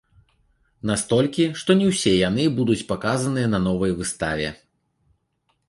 Настолькі, што не ўсе яны будуць паказаныя на новай выставе.